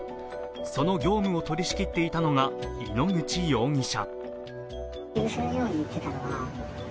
その業務を取り仕切っていたのが井ノ口容疑者。